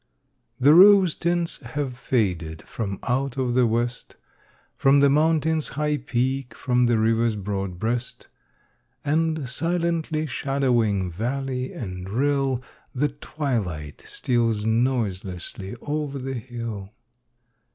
The rose tints have faded from out of the West, From the Mountain's high peak, from the river's broad breast. And, silently shadowing valley and rill, The twilight steals noiselessly over the hill.